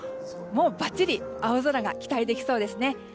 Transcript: もうばっちり青空が期待できそうですね。